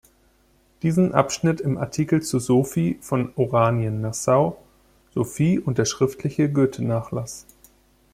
Diesen Abschnitt im Artikel zu Sophie von Oranien-Nassau: Sophie und der schriftliche Goethe-Nachlass